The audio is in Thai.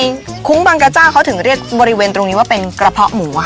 คุ้งบางกระเจ้าเขาถึงเรียกบริเวณตรงนี้ว่าเป็นกระเพาะหมูค่ะ